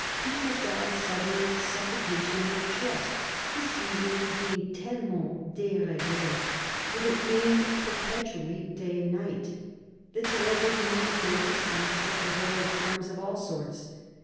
People died suddenly of suffocation on the chest, the season being "tellement desreigl6e " that it rained perpetually day and night. The terrible gloom was made responsible for horrid crimes of all sorts.